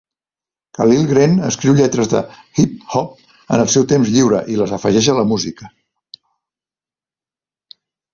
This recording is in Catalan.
Khalil Greene escriu lletres de hip-hop en el seu temps lliure i les afegeix a la música.